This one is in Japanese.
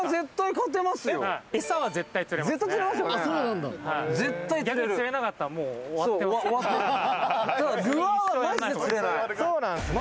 エサは絶対釣れますね。